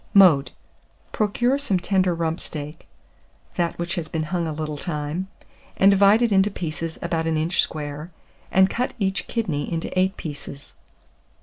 Mode. Procure some tender rump steak (that which has been hung a little time), and divide it into pieces about an inch square, and cut each kidney into 8 pieces.